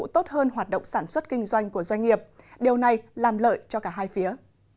tốt hơn hoạt động sản xuất kinh doanh của doanh nghiệp điều này làm lợi cho cả hai phía